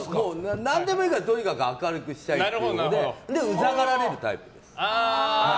何でもいいからとにかく明るくしたいっていうのでうざがられるタイプです。